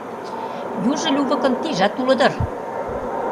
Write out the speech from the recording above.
Южо лювыкын тийжат уло дыр.